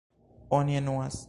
Oni enuas.